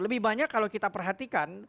lebih banyak kalau kita perhatikan